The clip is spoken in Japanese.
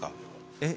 えっ？